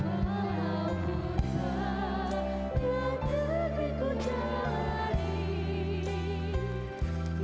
walaupun tanah negeriku jalanin